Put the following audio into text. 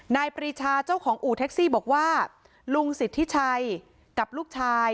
ปรีชาเจ้าของอู่แท็กซี่บอกว่าลุงสิทธิชัยกับลูกชาย